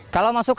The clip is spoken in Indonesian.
kalau masuk ke